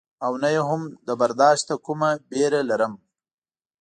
او نه یې هم له برداشته کومه وېره لرم.